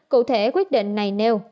cụ thể quyết định này nêu